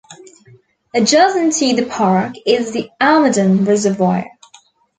Adjacent to the park is the Almaden Reservoir.